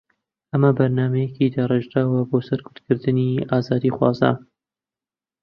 ئەمە بەرنامەیەکی داڕێژراوە بۆ سەرکوتکردنی ئازادیخوازان